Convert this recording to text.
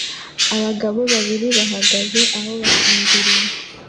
Abagabo babiri bahagaze aho basinziriye